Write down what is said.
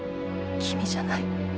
君じゃない。